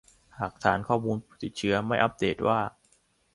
หากฐานข้อมูลผู้ติดเชื้อไม่อัปเดตว่า